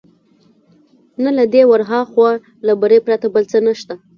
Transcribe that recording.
نه له دې ورهاخوا، له بري پرته بل څه نشته.